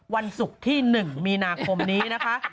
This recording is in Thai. วันศุกร์ที่๑มีนาคมนี้นะคะ